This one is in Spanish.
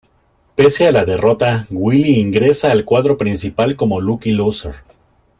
Pese a la derrota, Willy ingresa al cuadro principal como lucky loser.